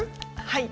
はい。